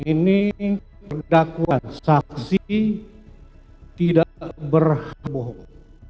ini perdakwa saksi tidak berhak bohong